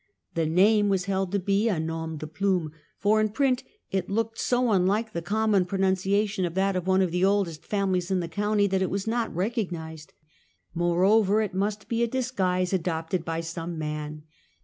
The name was held to be a norm deplume, for in print it looked so unlike the common pronuncia tion of that of one of the oldest families in the county that it was not recognized. Moreover, it mus t be a disguise adopted by some man.